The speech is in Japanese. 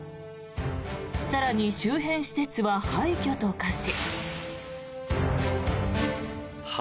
更に周辺施設は廃虚と化し。